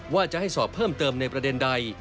ว่าจะให้สอบเพิ่มเติมในประเด็นใด